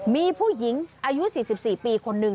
มีผู้หญิงอายุ๔๔ปีคนนึง